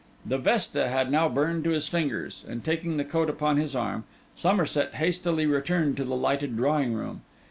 The vesta had now burned to his fingers; and taking the coat upon his arm, Somerset hastily returned to the lighted drawing room.